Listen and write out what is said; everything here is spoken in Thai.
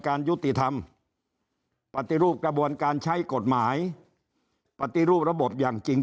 การยุติธรรมปฏิรูปกระบวนการใช้กฎหมายปฏิรูประบบอย่างจริง